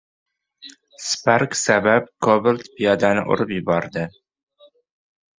"Spark" sabab "Cobalt" piyodani urib yubordi